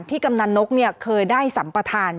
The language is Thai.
กำนันนกเคยได้สัมประธาน